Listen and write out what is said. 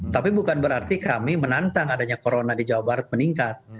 tapi bukan berarti kami menantang adanya corona di jawa barat meningkat